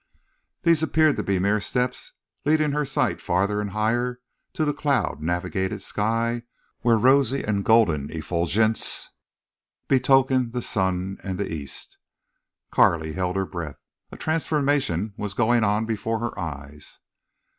These appeared to be mere steps leading her sight farther and higher to the cloud navigated sky, where rosy and golden effulgence betokened the sun and the east. Carley held her breath. A transformation was going on before her eyes.